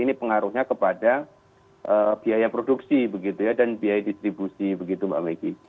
ini pengaruhnya kepada biaya produksi begitu ya dan biaya distribusi begitu mbak meggy